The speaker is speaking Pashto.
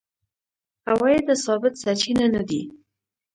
عوایده ثابت سرچینه نه دي.